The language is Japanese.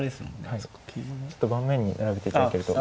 ちょっと盤面に並べていただけると。